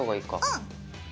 うん。